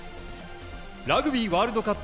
ラグビーワールドカップ